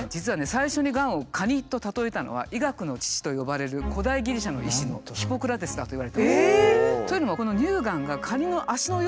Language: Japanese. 最初にがんを「かに」と例えたのは医学の父と呼ばれる古代ギリシャの医師のヒポクラテスだといわれております。